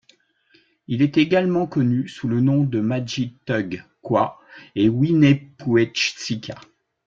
Il était également connu sous le nom madjid-tugh-qua et Wynepuechsika.